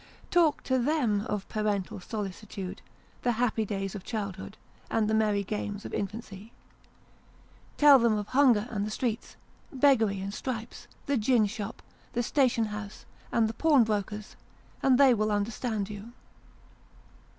Talk to them of parental solicitude, the happy days of childhood, and the merry games of infancy ! Tell them of hunger and the streets, beggary and stripes, the gin shop, the station house, and the pawnbroker's, and they will understand you.